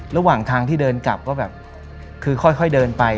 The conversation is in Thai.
ระหว่างทางที่เดินกลับก็แบบคือค่อยเดินไป